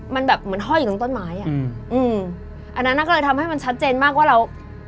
มันแบบเหมือนห้อยอยู่ตรงต้นไม้อ่ะอืมอันนั้นน่ะก็เลยทำให้มันชัดเจนมากว่าเรา